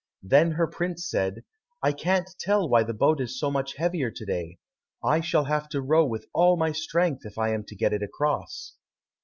Then her prince said, "I can't tell why the boat is so much heavier to day; I shall have to row with all my strength, if I am to get it across."